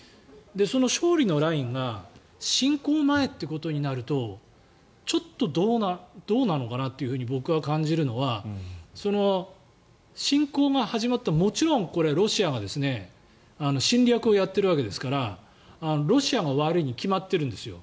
その勝利のラインが侵攻前ということになるとちょっとどうなのかなと僕は感じるのは侵攻が始まってもちろんロシアが侵略をやっているわけですからロシアが悪いに決まっているんですよ。